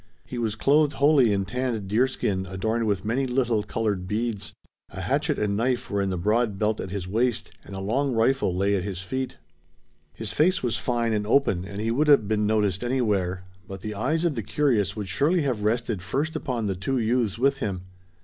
He was clothed wholly in tanned deerskin adorned with many little colored beads. A hatchet and knife were in the broad belt at his waist, and a long rifle lay at his feet. His face was fine and open and he would have been noticed anywhere. But the eyes of the curious would surely have rested first upon the two youths with him.